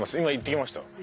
今行ってきました。